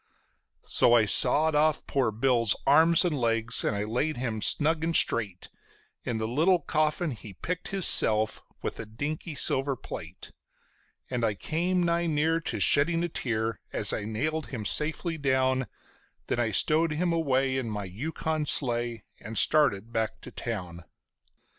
So I sawed off poor Bill's arms and legs, and I laid him snug and straight In the little coffin he picked hisself, with the dinky silver plate; And I came nigh near to shedding a tear as I nailed him safely down; Then I stowed him away in my Yukon sleigh, and I started back to town.